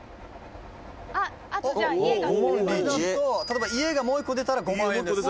「例えば家がもう１個出たら５万円です」